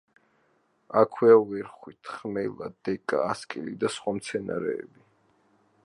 აქვეა ვერხვი, თხმელა, დეკა, ასკილი და სხვა მცენარეები.